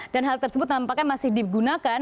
dan hal tersebut tampaknya masih digunakan